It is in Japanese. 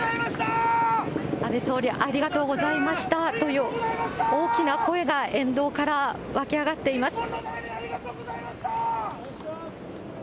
安倍総理、ありがとうございましたという大きな声が沿道から沸き上がっています。